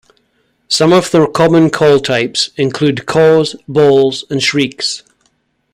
Some of their common call types include caws, bawls, and shrieks.